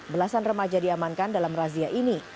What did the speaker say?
belasan remaja diamankan dalam razia ini